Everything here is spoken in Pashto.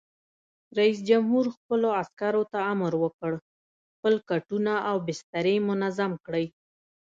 رئیس جمهور خپلو عسکرو ته امر وکړ؛ خپل کټونه او بسترې منظم کړئ!